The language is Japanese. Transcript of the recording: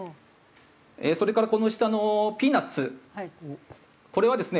それからこの下のピーナツこれはですね